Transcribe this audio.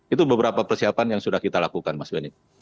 itu beberapa persiapan yang sudah kita lakukan mas benny